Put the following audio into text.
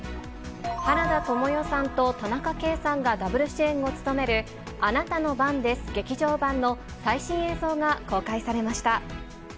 原田知世さんと田中圭さんがダブル主演を務めるあなたの番です劇場版の最新映像が公開されました。